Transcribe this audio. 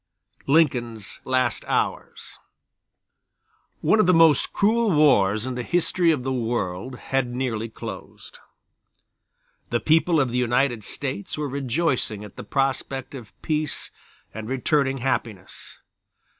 Lincoln's Last Hours One of the most cruel wars in the history of the world had nearly closed. The people of the United States were rejoicing at the prospect of peace and returning happiness.